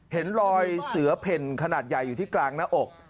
เห็นรอยเสือเพ่นขนาดใหญ่อยู่ที่กลางหน้าอก